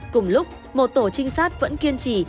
cùng lúc một tổ trinh sát vẫn kiên trì